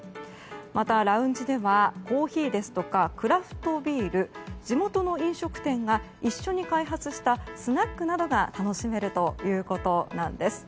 またラウンジではコーヒーですとかクラフトビール地元の飲食店が一緒に開発したスナックなどが楽しめるということなんです。